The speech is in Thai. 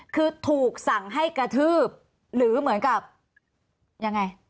คือถูกสั่งให้กระทืบหรือเหมือนกับยังไง